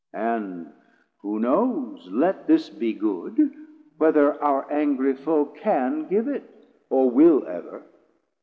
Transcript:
and who knows, Let this be good, whether our angry Foe Can give it, or will ever?